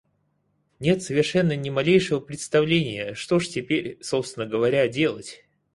Нет совершенно ни малейшего представления, что ж теперь, собственно говоря, делать?!